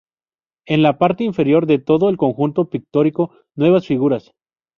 En la parte inferior de todo el conjunto pictórico nuevo figuras.